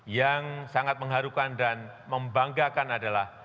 yang sangat mengharukan dan membanggakan adalah